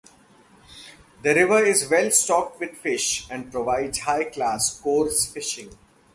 The river is well stocked with fish, and provides high class coarse fishing.